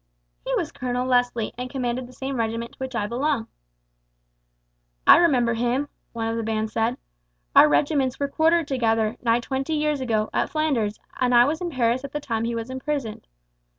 "He was Colonel Leslie, and commanded the same regiment to which I belong." "I remember him," one of the band said. "Our regiments were quartered together, nigh twenty years ago, at Flanders, and I was in Paris at the time when he was imprisoned.